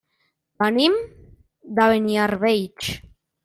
Venim de Beniarbeig.